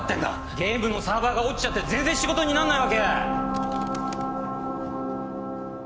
ゲームのサーバーが落ちちゃって全然仕事になんないわけ！